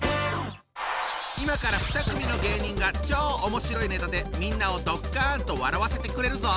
今から２組の芸人が超おもしろいネタでみんなをドッカンと笑わせてくれるぞ！